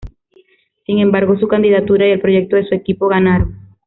Sin embargo, su candidatura y el proyecto de su equipo ganaron.